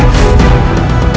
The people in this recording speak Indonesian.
saya tak akan menemukan anda